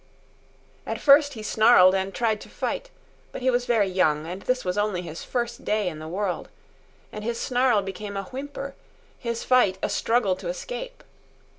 At first he snarled and tried to fight; but he was very young, and this was only his first day in the world, and his snarl became a whimper, his fight a struggle to escape.